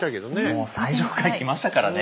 もう最上階来ましたからね。